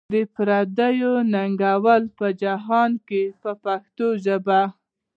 د پردیو ننګیالیو په جهان کې په پښتو ژبه.